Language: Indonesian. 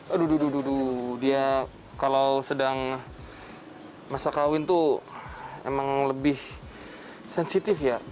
aduh dia kalau sedang masa kawin tuh emang lebih sensitif ya